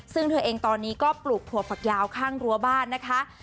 ซึ่งเธอเองตอนนี้ก็ปลูกถั่วฝักยาวข้างรั้วบ้านนะคะ